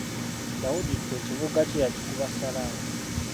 Dawudi Chwa ekibuga kye yakikuba Ssalaama.